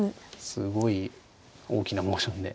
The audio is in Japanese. すごい大きなモーションで。